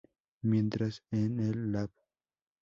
Mientras en el Lab.